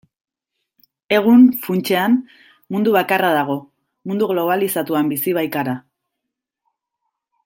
Egun, funtsean, mundu bakarra dago, mundu globalizatuan bizi baikara.